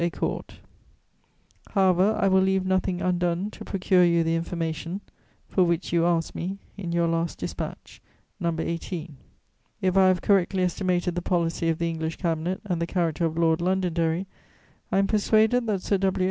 A'Court; however, I will leave nothing undone to procure you the information for which you ask me in your last dispatch, No. 18. If I have correctly estimated the policy of the English Cabinet and the character of Lord Londonderry, I am persuaded that Sir W.